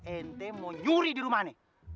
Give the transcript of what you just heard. ente mau nyuri di rumah nih